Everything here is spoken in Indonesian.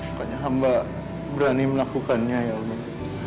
makanya amba berani melakukannya ya allah